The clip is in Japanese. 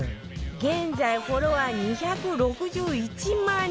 現在フォロワー２６１万人！